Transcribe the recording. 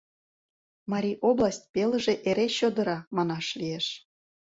Марий область — пелыже эре чодыра, манаш лиеш.